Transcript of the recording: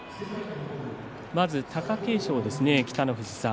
まず貴景勝です、北の富士さん